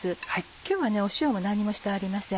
今日は塩も何もしてありません。